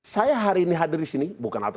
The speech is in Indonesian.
saya hari ini hadir di sini bukan apa